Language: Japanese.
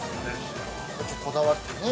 ◆こだわってね。